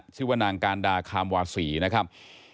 ชื่อว่านางการดาคามวาศีนะครับ